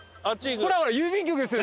ほらほら郵便局ですよね？